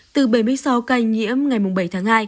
từ bảy mươi sáu ca nhiễm ngày bảy tháng hai